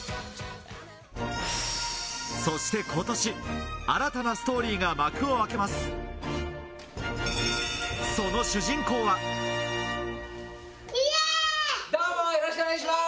そして今年、新たなストーリーが幕を開けます。